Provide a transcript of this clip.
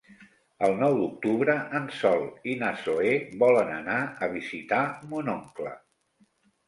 El nou d'octubre en Sol i na Zoè volen anar a visitar mon oncle.